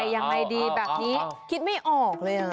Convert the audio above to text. ยังไงดีแบบนี้คิดไม่ออกเลย